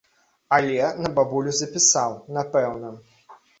Але на бабулю запісаў, напэўна.